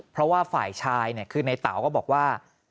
เพราะว่าฝ่ายชายคือในเต๋าก็บอกว่า